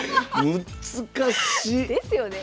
難しっ！ですよね。